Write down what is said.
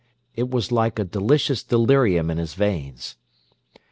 It was like a delicious delirium in his veins.